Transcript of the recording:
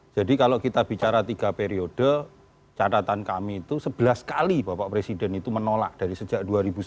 jadi kalau kita bicara tiga periode catatan kami itu sebelas kali bapak presiden itu menolak dari sejak dua ribu sembilan belas